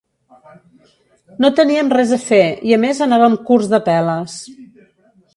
No teníem res a fer, i a més anàvem curts de peles.